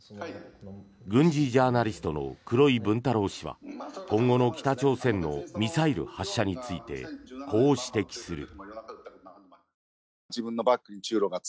軍事ジャーナリストの黒井文太郎氏は今後の北朝鮮のミサイル発射についてこう指摘する。